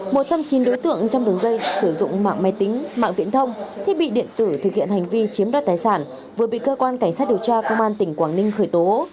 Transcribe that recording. một trong chín đối tượng trong đường dây sử dụng mạng máy tính mạng viễn thông thiết bị điện tử thực hiện hành vi chiếm đoạt tài sản vừa bị cơ quan cảnh sát điều tra công an tỉnh quảng ninh khởi tố